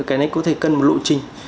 cái này có thể cần một lộ trình